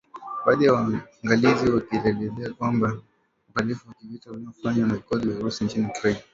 baadhi ya waangalizi wanakielezea kama uhalifu wa kivita unaofanywa na vikosi vya Urusi nchini Ukraine